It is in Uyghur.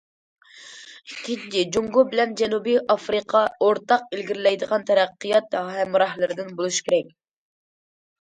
ئىككىنچى، جۇڭگو بىلەن جەنۇبىي ئافرىقا ئورتاق ئىلگىرىلەيدىغان تەرەققىيات ھەمراھلىرىدىن بولۇشى كېرەك.